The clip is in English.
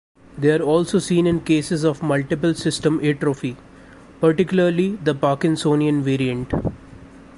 They are also seen in cases of multiple system atrophy, particularly the parkinsonian variant.